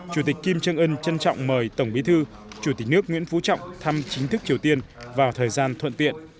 chủ tịch kim trân ưn trân trọng mời tổng bí thư chủ tịch nước nguyễn phú trọng thăm chính thức triều tiên vào thời gian thuận tiện